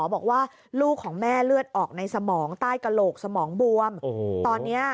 บอกว่าลูกของแม่เลือดออกในสมองใต้กระโหลกสมองบวมตอนนี้